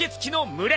群れ。